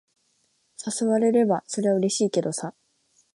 誘われれば、そりゃうれしいけどさ。